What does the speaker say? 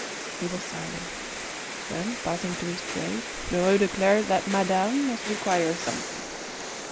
He was silent. Then, passing to his trade, Lheureux declared that madame must require something.